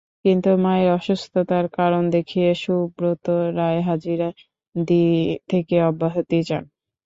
কিন্তু মায়ের অসুস্থতার কারণ দেখিয়ে সুব্রত রায় হাজিরা থেকে অব্যাহতি চান।